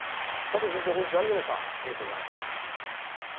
佐藤先生、本日はありがとうございました。